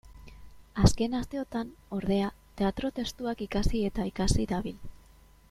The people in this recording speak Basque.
Azken asteotan, ordea, teatro-testuak ikasi eta ikasi dabil.